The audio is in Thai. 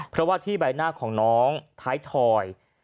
เพราะว่าที่ใบหน้าของน้องท้ายถอย